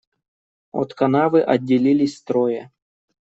От канавы отделилось трое.